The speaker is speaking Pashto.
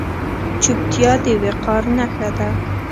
چوپتیا، د وقار نښه ده.